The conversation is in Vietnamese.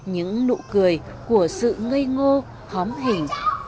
những nụ cười của sự ngây ngô hóm hình